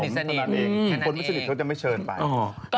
คนไม่สนิทเขาก็จะไม่เชิญไป